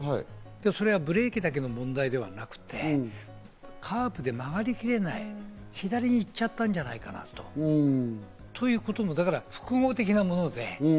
それはブレーキだけの問題ではなくて、カーブで曲がり切れない、左に行っちゃったんじゃないかなとということも複合的なもので。